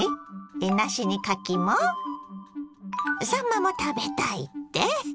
さんまも食べたいって？